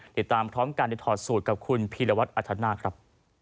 ติดตามพร้อมกันในถอดสูตรกับคุณพีรวัตรอัธนาคครับ